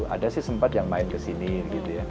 ada sih sempat yang main kesini gitu ya